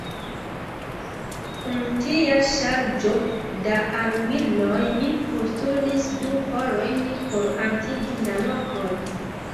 Kun tia ŝarĝo da armiloj mi postulis du horojn por atingi la lokon.